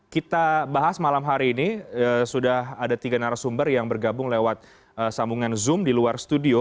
kita bahas malam hari ini sudah ada tiga narasumber yang bergabung lewat sambungan zoom di luar studio